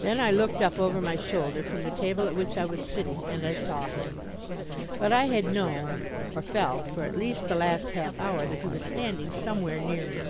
Then I looked up over my shoulder from the table at which I was sitting and I saw him. But I had known, or felt, for at least the last half hour that he was standing somewhere near me.